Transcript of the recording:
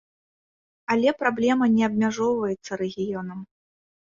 Але праблема не абмяжоўваецца рэгіёнам.